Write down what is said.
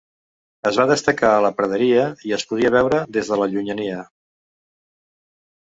Es va destacar a la praderia i es podia veure des de la llunyania.